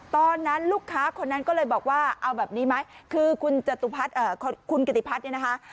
ตอนนั้นลูกค้าคนนั้นก็เลยบอกว่าเอาแบบนี้ไหมคือคุณกิติพัฒน์เนี่ยนะคะ